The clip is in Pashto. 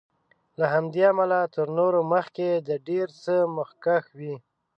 له همدې امله تر نورو مخکې د ډېر څه مخکښ وي.